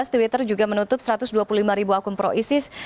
twitter juga menutup satu ratus dua puluh lima ribu akun pro isis